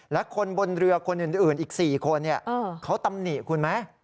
และคนบนเรือคนอื่นอีก๔คนเขาตำหนิคุณไหม